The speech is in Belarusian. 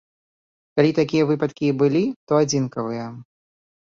Калі такія выпадкі і былі, то адзінкавыя.